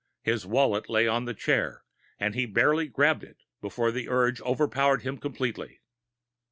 His wallet lay on the chair, and he barely grabbed it before the urge overpowered him completely.